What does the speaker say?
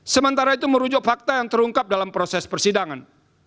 sementara itu merujuk fakta yang terungkap dalam proses persidangan